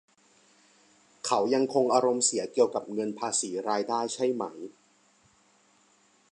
เขายังคงอารมณ์เสียเกี่ยวกับเงินภาษีรายได้ใช่ไหม